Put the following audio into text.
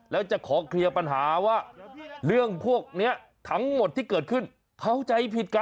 แล้วจะขอเคลียร์ปัญหาว่าเรื่องพวกนี้ทั้งหมดที่เกิดขึ้นเข้าใจผิดกัน